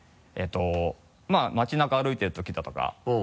まぁ街中歩いてるときだとか。